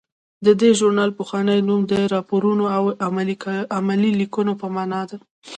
د دې ژورنال پخوانی نوم د راپورونو او علمي لیکنو په مانا و.